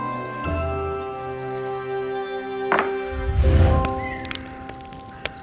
kami akan membuat perhiasan